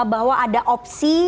bahwa ada opsi